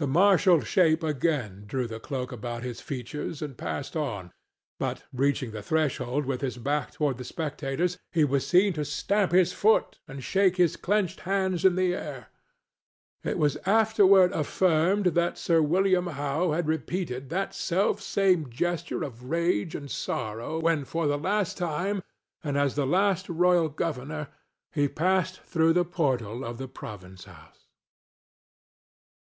The martial shape again drew the cloak about his features and passed on, but, reaching the threshold with his back toward the spectators, he was seen to stamp his foot and shake his clenched hands in the air. It was afterward affirmed that Sir William Howe had repeated that selfsame gesture of rage and sorrow when for the last time, and as the last royal governor, he passed through the portal of the province house.